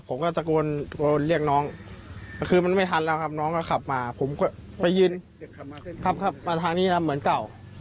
ผมก็ตะโกนเรียกน้องแต่คือมันไม่ทันแล้วครับน้องก็ขับมาผมก็ไปยืนขับมาทางนี้แล้วเหมือนเก่า